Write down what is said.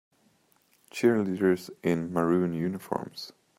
Cheerleaders in maroon uniforms.